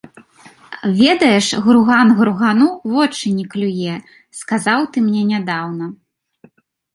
Ведаеш, груган гругану вочы не клюе, сказаў ты мне нядаўна.